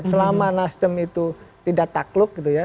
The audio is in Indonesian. selama nasdem itu tidak takluk gitu ya